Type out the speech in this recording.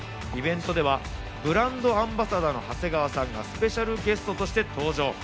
イベントではブランドアンバサダーの長谷川さんがスペシャルゲストとして登場。